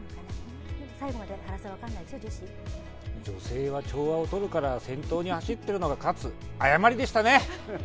女性は調和をとるから先頭に走っているものが勝つ、誤りでしたね。